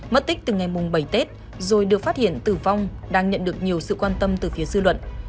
mất tích từ ngày bảy tết rồi được phát hiện tử vong đang nhận được nhiều sự quan tâm từ phía dư luận